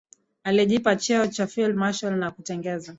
Alijipa cheo cha field marshall na kutengeneza